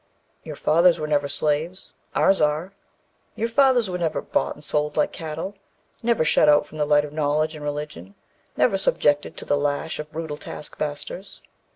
Your fathers were never slaves, ours are; your fathers were never bought and sold like cattle, never shut out from the light of knowledge and religion, never subjected to the lash of brutal task masters.